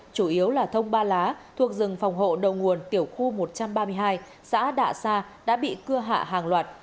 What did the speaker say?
chủ yếu là thông ba lá thuộc rừng phòng hộ đầu nguồn tiểu khu một trăm ba mươi hai xã đạ sa đã bị cưa hạ hàng loạt